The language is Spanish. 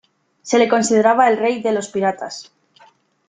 Se le consideraba el rey de los piratas.